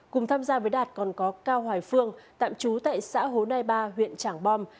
cùng tham gia với đạt còn có cao hoài phương tạm trú tại xã hồ nai ba huyện trảng bom